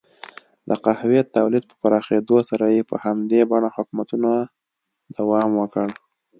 د قهوې تولید په پراخېدو سره یې په همدې بڼه حکومتونو دوام وکړ.